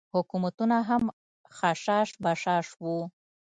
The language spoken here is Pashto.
حکومتونه هم خشاش بشاش وو.